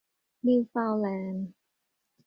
นิวเฟาน์แลนด์